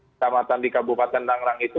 kecamatan di kabupaten tangerang itu